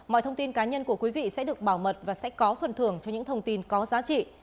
mọi thông tin cá nhân của quý vị sẽ được bảo mật và sẽ có phần thưởng cho những thông tin có giá trị